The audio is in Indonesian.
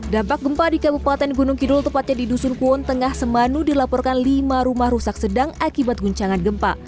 dampak gempa di kabupaten gunung kidul tepatnya di dusun kuon tengah semanu dilaporkan lima rumah rusak sedang akibat guncangan gempa